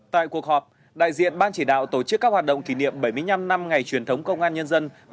tại cuộc họp đại diện ban chỉ đạo tổ chức các hoạt động kỷ niệm bảy mươi năm năm ngày truyền thống công an nhân dân